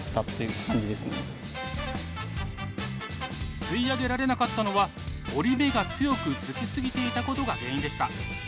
吸い上げられなかったのは折り目が強くつきすぎていたことが原因でした。